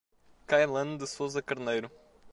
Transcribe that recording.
Cailane de Souza Carneiro